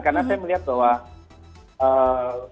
karena saya melihat bahwa eee